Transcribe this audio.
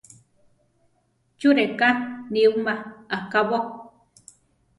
¿Chú reká niwíma akabó?